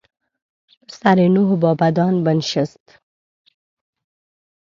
پسر نوح با بدان بنشست.